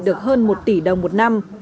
được hơn một tỷ đồng một năm